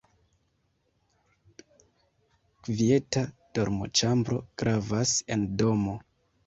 Kvieta dormoĉambro gravas en domo.